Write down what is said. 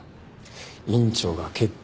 院長が結婚